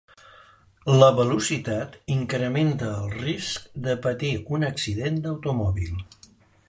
La velocitat incrementa el risc de patir un accident d'automòbil.